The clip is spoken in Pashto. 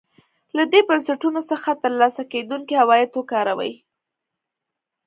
له دې بنسټونو څخه ترلاسه کېدونکي عواید وکاروي.